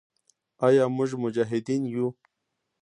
آیا موږ مجاهدین یو؟